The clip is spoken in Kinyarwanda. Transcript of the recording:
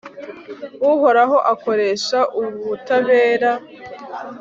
uhoraho akoresha ubutabera